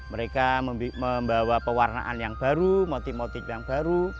mereka membawa pewarnaan yang baru motif motif yang baru